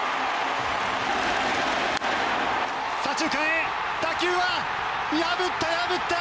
左中間へ打球は破った！